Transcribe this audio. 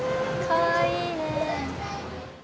かわいいね。